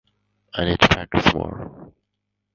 I need to practice more.